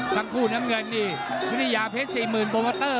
ทั้งคู่น้ำเงินนี่วินิยาเพชร๔๐๐๐๐โบมัตเตอร์